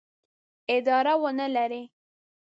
اداره ونه لري.